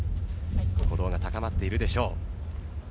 鼓動が高まっているでしょう。